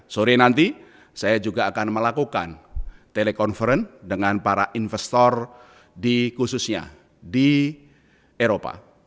sore nanti saya juga akan melakukan telekonferensi dengan para investor di khususnya di eropa